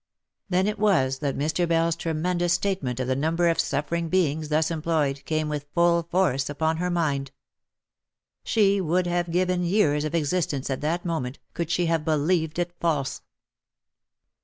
Then it was that Mr, Bell's tremendous statement of the number of suffering beings thus employed came with full force upon her mind. She would have given years of existence at that moment, could she have believed it false.